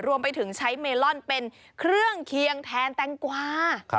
รวมไปถึงใช้เมลอนเป็นเครื่องเคียงแทนแตงกวา